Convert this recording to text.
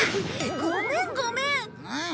ごめんごめん。